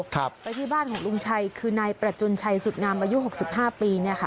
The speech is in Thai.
แต่ที่บ้านของลุงชัยคือนายประจุลชัยสุดงามอายุ๖๕ปี